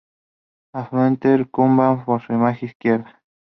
Afluente del Kubán por su margen izquierda.